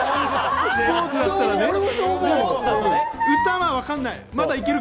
歌はわかんない。